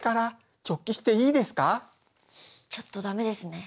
ちょっと駄目ですね。